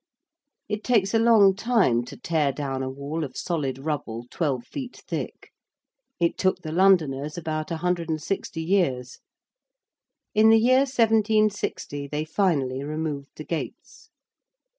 It takes a long time to tear down a wall of solid rubble twelve feet thick. It took the Londoners about 160 years. In the year 1760 they finally removed the gates.